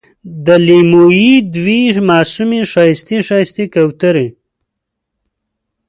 د لېمو یې دوې معصومې ښایستې، ښایستې کوترې